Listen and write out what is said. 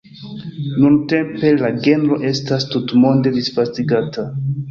Nuntempe la genro estas tutmonde disvastigata.